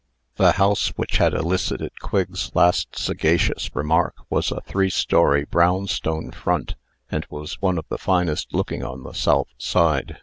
The house which had elicited Quigg's last sagacious remark, was a three story brownstone front, and was one of the finest looking on the south side.